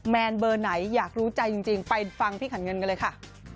แนนเบอร์ไหนอยากรู้ใจจริงไปฟังพี่ขันเงินกันเลยค่ะ